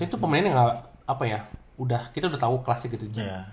iya itu pemain yang udah kita udah tau kelasnya gitu